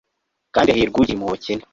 kandi hahirwa ugirira impuhwe abakene